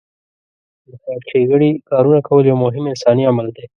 د خېر ښېګڼې کارونه کول یو مهم انساني عمل دی.